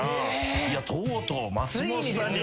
いやとうとう松本さんに。